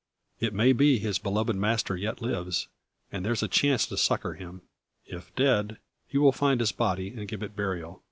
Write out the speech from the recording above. It may be his beloved master yet lives, and there is a chance to succour him. If dead, he will find his body, and give it burial.